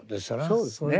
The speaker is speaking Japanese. そうですね。